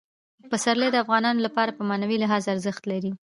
پسرلی د افغانانو لپاره په معنوي لحاظ ارزښت لري.